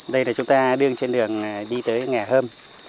đây là chúng ta đường trên đường đi tới nhà hơm